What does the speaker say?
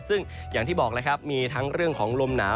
ซึ่งอย่างที่บอกแล้วครับมีทั้งเรื่องของลมหนาว